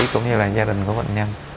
cũng như là gia đình của bệnh nhân